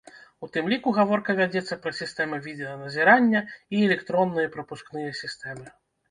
У тым ліку гаворка вядзецца пра сістэмы відэаназірання і электронныя прапускныя сістэмы.